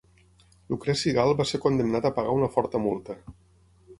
Lucreci Gal va ser condemnat a pagar una forta multa.